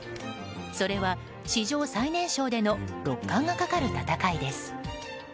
それは史上最年少での六冠がかかる戦いです。